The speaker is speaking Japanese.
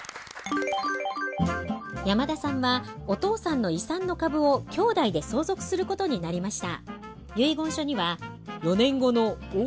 山田さんはお父さんの遺産の株を兄弟で相続することになりました。